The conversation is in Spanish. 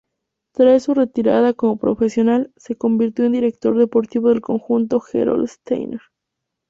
Tras su retirada como profesional, se convirtió en director deportivo del conjunto Gerolsteiner.